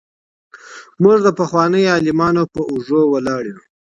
موږ د پخوانيو عالمانو په اوږو ولاړ يو.